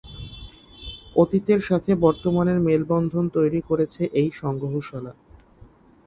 অতীতের সাথে বর্তমানের মেলবন্ধন তৈরি করেছে এই সংগ্রহশালা।